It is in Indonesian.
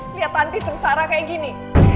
lihat nanti sengsara kayak gini